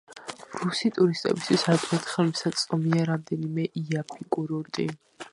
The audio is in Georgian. რუსი ტურისტებისათვის ადვილად ხელმისაწვდომია რამდენიმე იაფი კურორტი.